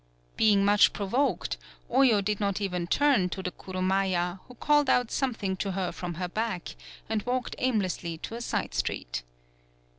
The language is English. Being much provoked, Oyo did not even turn to the Kurumaya, who called out something to her from her back, and walked aimlessly to a side street.